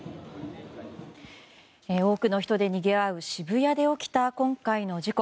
多くの人でにぎわう渋谷で起きた今回の事故。